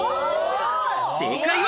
正解は。